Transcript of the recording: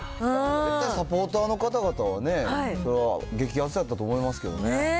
大体サポーターの方々はね、それは激熱やったと思いますけどね。